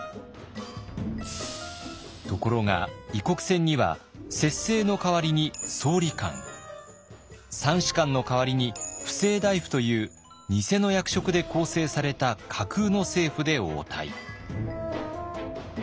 ところが異国船には摂政の代わりに総理官三司官の代わりに布政大夫という偽の役職で構成された架空の政府で応対。